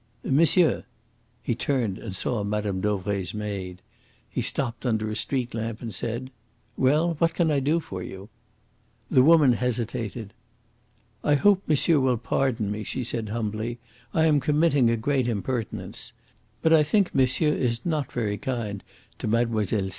"Monsieur!" He turned and saw Mme. Dauvray's maid. He stopped under a street lamp, and said: "Well, what can I do for you?" The woman hesitated. "I hope monsieur will pardon me," she said humbly. "I am committing a great impertinence. But I think monsieur is not very kind to Mlle. Celie."